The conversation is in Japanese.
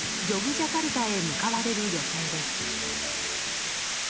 ジャカルタへ向かわれる予定です。